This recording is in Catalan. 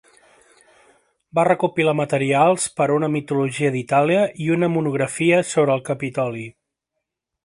Va recopilar materials per a una mitologia d'Itàlia i una monografia sobre el Capitoli.